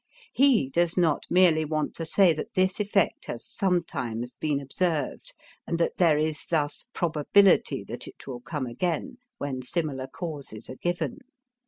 He does not merely want to say that this effect has sometimes been observed and that there is thus probability that it will come again, when similar causes are given.